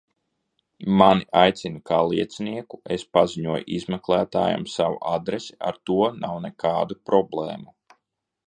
Mani aicina kā liecinieku, es paziņoju izmeklētājam savu adresi, ar to nav nekādu problēmu.